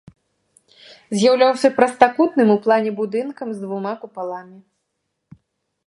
З'яўляўся прастакутным у плане будынкам з двума купаламі.